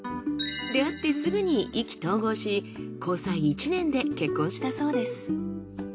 出会ってすぐに意気投合し交際１年で結婚したそうです。